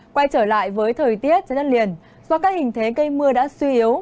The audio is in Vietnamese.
quay trở lại với thời tiết đất liền do các hình thế cây mưa đã suy yếu